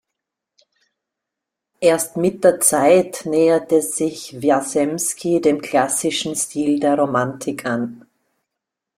Erst mit der Zeit näherte sich Wjasemski dem klassischen Stil der Romantik an.